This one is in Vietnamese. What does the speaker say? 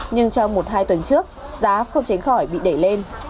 nhưng trong một hai tuần trước giá không tránh khỏi bị đẩy lên